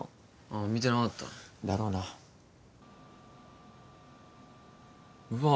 ああ見てなかっただろうなうわ